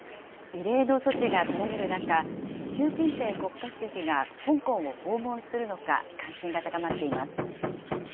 異例の措置が取られる中、習近平国家主席が香港を訪問するのか関心が高まっています。